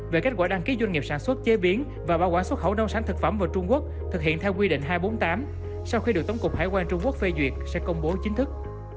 về kết quả đăng ký doanh nghiệp sản xuất chế biến và bảo quản xuất khẩu nông sản thực phẩm vào trung quốc thực hiện theo quy định hai trăm bốn mươi tám sau khi được tổng cục hải quan trung quốc phê duyệt sẽ công bố chính thức